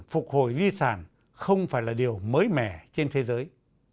phục hồi di sản không phải là điều mới mẻ trên thế giới